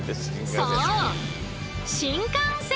そう！